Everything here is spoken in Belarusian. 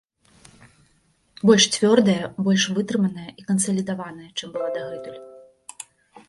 Больш цвёрдая, больш вытрыманая і кансалідаваная, чым была дагэтуль.